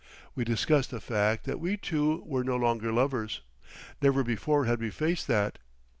We discussed the fact that we two were no longer lovers; never before had we faced that.